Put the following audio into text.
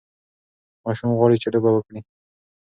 ماشوم غواړي چې لوبه وکړي.